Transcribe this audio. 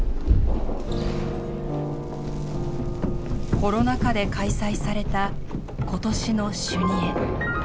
コロナ禍で開催された今年の修二会。